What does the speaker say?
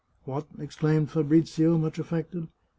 What !" exclaimed Fabrizio, much affected.